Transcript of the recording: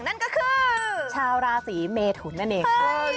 นั่นก็คือชาวราศีเมทุนนั่นเองค่ะ